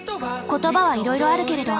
言葉はいろいろあるけれど。